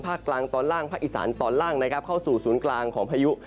กลางตอนล่างภาคอีสานตอนล่างนะครับเข้าสู่ศูนย์กลางของพายุ